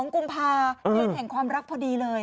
๒กรุมภาพันธ์เรียนแห่งความรักพอดีเลย